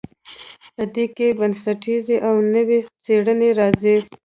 په دې کې بنسټیزې او نوې څیړنې راځي.